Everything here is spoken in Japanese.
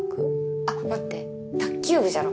あっ待って卓球部じゃろ。